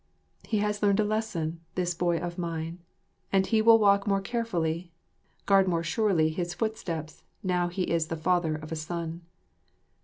He has learned a lesson, this boy of mine, and he will walk more carefully, guard more surely his footsteps, now he is the father of a son.